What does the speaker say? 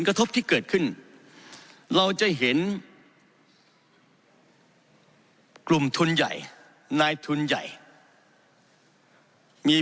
กระทบที่เกิดขึ้นเราจะเห็นกลุ่มทุนใหญ่นายทุนใหญ่มี